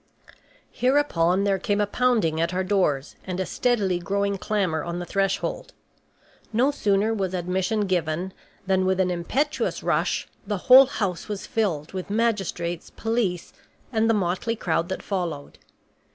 Hereupon there came a pounding at our doors and a steadily growing clamor on the threshold. No sooner was admission given than, with an impetuous rush, the whole house was filled with magistrates, police, and the motley crowd that followed.